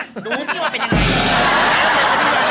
ดูที่ว่าเป็นอย่างไร